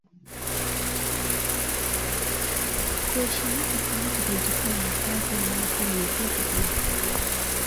Kueshimika kwa mutu kunatokana na kazi na mutu ye peke pia